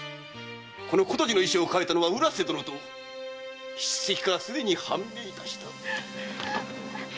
この琴路の遺書を書いたのは浦瀬殿と筆跡からすでに判明いたした！